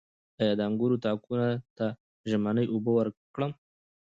آیا د انګورو تاکونو ته ژمنۍ اوبه ورکړم؟